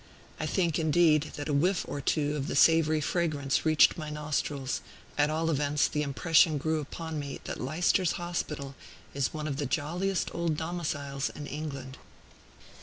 I think, indeed, that a whiff or two of the savory fragrance reached my nostrils; at all events, the impression grew upon me that Leicester's Hospital is one of the jolliest old domiciles in England.